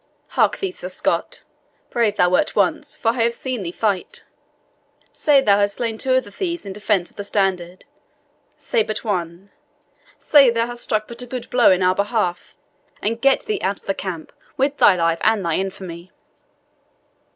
Hark thee, Sir Scot brave thou wert once, for I have seen thee fight. Say thou hast slain two of the thieves in defence of the Standard say but one say thou hast struck but a good blow in our behalf, and get thee out of the camp with thy life and thy infamy!"